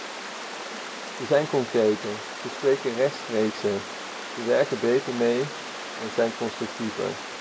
Ze zijn concreter, ze spreken rechtstreekser, ze werken beter mee en zijn constructiever.